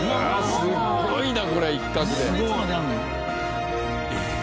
すごいな。